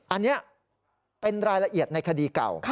อันนี้เป็นรายละเอียดในคดีเก่า